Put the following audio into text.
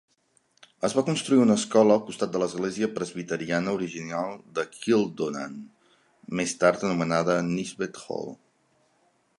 Es va construir una escola al costat de l'església presbiteriana original de Kildonan, més tard anomenada Nisbet Hall.